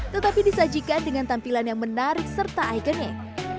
tetapi disajikan dengan tampilan yang menarik serta ikonik